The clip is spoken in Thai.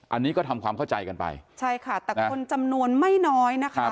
อันนี้ก็ทำความเข้าใจกันไปใช่ค่ะแต่คนจำนวนไม่น้อยนะคะ